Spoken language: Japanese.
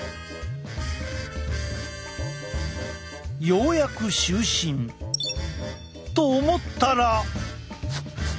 ようやく就寝。と思ったら。